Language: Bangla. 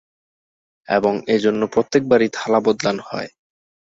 এবং এজন্য প্রত্যেক বারেই থালা বদলান হয়।